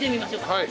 はい。